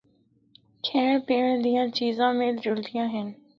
کھینڑا پینڑا دیاں چیزاں مِل جُلدیاں ہن۔